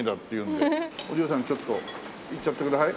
お嬢さんちょっといっちゃってください。